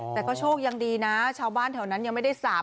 แต่ก็โชคยังดีนะชาวบ้านแถวนั้นยังไม่ได้สาบ